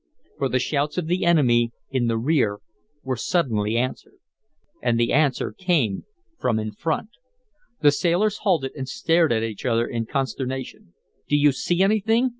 For the shouts of the enemy in the rear were suddenly answered. And the answer came from in front. The sailors halted and stared at each other in consternation. "Do you see anything?"